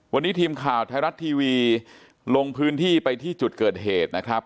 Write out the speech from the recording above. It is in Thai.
วันนี้ทีมข่าวไทยรัฐทีวีลงพื้นที่ไปที่จุดเกิดเหตุนะครับ